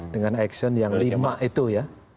dengan action yang lima itu ya